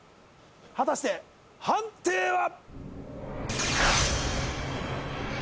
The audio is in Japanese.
果たして判定は？